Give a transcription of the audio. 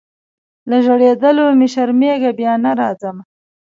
له ژړېدلو مي شرمېږمه بیا نه راځمه